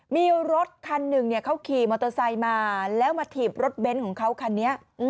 มีรถคันหนึ่งเขาขี่มอเตอร์ไซค์มาแล้วมาถีบรถเบนท์ของเขาคันนี้